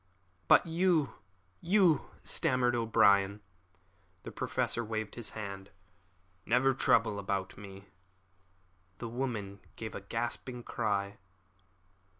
"But you you " stammered O'Brien. The Professor waved his hand. "Never trouble about me," he said. The woman gave a gasping cry.